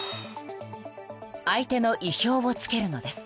［相手の意表を突けるのです］